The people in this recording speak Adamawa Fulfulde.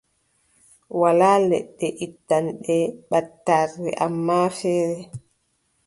Walaa leɗɗe ittanɗe ɓattarre, ammaa feere,